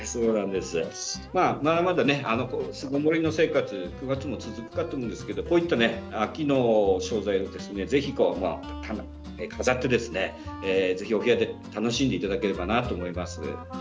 まだ巣ごもりの生活が９月も続くかと思いますがこういった秋の花を飾ってお部屋で楽しんでいただければと思います。